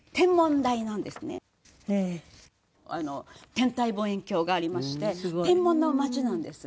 天体望遠鏡がありまして天文のまちなんです。